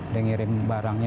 dia ngirim barangnya